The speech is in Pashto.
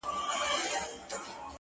چي وايي!!